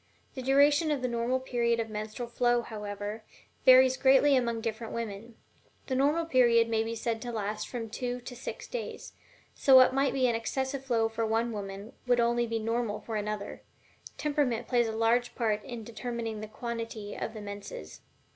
The duration of the normal period of menstrual flow, however, varies greatly among different women; the normal period may be said to last from two to six days, so what might be an excessive flow for one woman would be only normal for another temperament plays a large part in determining the quantity of the menses.